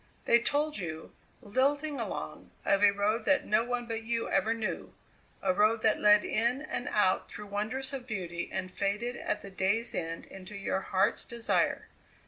They told you, lilting along, of a road that no one but you ever knew a road that led in and out through wonders of beauty and faded at the day's end into your heart's desire.